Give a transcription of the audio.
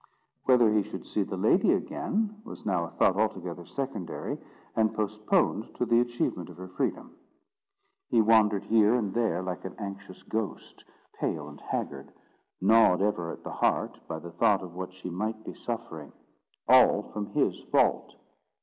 Whether he should see the lady again, was now a thought altogether secondary, and postponed to the achievement of her freedom. He wandered here and there, like an anxious ghost, pale and haggard; gnawed ever at the heart, by the thought of what she might be suffering—all from his fault.